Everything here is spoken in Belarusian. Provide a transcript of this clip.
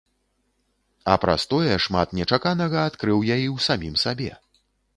А праз тое шмат нечаканага адкрыў я і ў самім сабе.